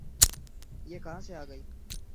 یہ کہاں سے آئے گی؟